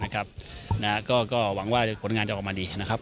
ก็หวังว่าผลงานจะออกมาดีนะครับ